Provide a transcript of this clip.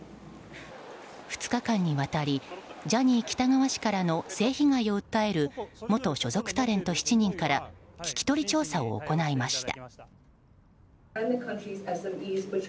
２日間にわたりジャニー喜多川氏からの性被害を訴える元所属タレント７人から聞き取り調査を行いました。